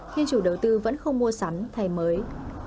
nhưng chủ đầu tư vẫn không mua sẵn thay mới